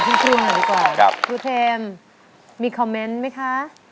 ขอขอบคุณคุณหน่อยบ่อยครับครับมีคอมเม้นต์ไหมค่ะ